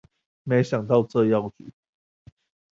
沒想到這藥局